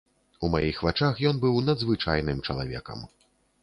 У маіх вачах ён быў надзвычайным чалавекам.